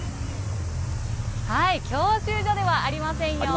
教習所ではありませんよ。